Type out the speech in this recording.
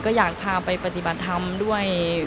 ก็อยากพาไปปฏิบัติธรรมด้วย